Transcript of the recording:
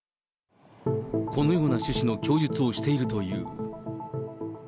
このような趣旨の供述をしているという。